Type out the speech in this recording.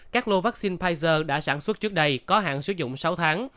các lô vaccine pfizer đã sản xuất trước đây có hạn sử dụng sáu tháng